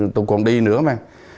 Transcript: tôi còn đi nữa mà